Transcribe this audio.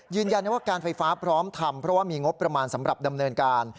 ยืนยันว่าการไฟฟ้าพร้อมทำเพราะว่ามีงบประมาณสำหรับดำเนินการ